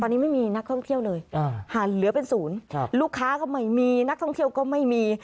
ตอนนี้ไม่มีนักท่องเที่ยวเลยหันเหลือเป็นศูนย์ลูกค้าก็ไม่มีนักท่องเที่ยวก็ไม่มี